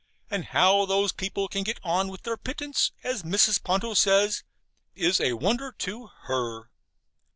And how those people can get on with their pittance, as Mrs. Ponto says, is a wonder to HER.